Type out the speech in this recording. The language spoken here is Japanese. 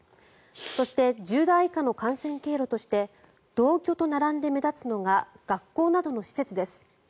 そして１０代以下の感染経路として同居と並んで目立つのが学校などの施設です。